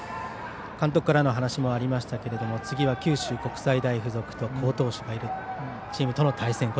監督からの話もありましたが次は九州国際大付属と好投手がいるチームとの対戦。